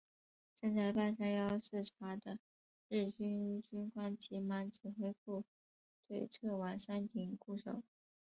正在半山腰视察的日军军官急忙指挥部队撤往山顶固守。